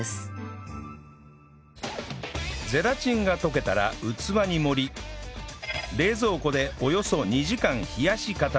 ゼラチンが溶けたら器に盛り冷蔵庫でおよそ２時間冷やし固めます